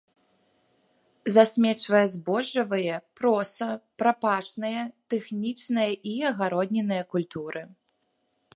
Засмечвае збожжавыя, проса, прапашныя, тэхнічныя і агароднінныя культуры.